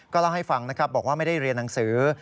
เล่าให้ฟังนะครับบอกว่าไม่ได้เรียนหนังสือ